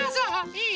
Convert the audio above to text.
いい？